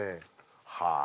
はあ。